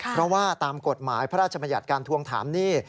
เพราะว่าตามกฎหมายพระราชบัญญัติการทวงถามหนี้